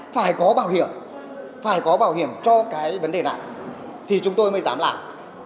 phải có bảo hiểm phải có bảo hiểm cho cái vấn đề này thì chúng tôi mới dám làm